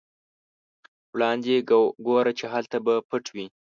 وړاندې ګوره چې هلته به پټ وي.